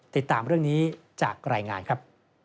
ติดตามเรื่องนี้จากรายงานครับ